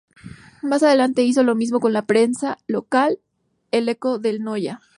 Más adelante hizo lo mismo con la prensa local: "El Eco del Noya.